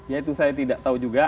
ya itu saya tidak tahu juga